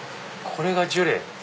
これがジュレ！